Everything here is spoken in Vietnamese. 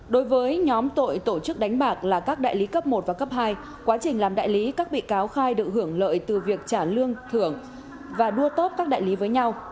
đối với nhóm tội tổ chức đánh bạc là các đại lý cấp một và cấp hai quá trình làm đại lý các bị cáo khai được hưởng lợi từ việc trả lương thưởng và đua tốt các đại lý với nhau